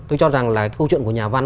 tôi cho rằng là câu chuyện của nhà văn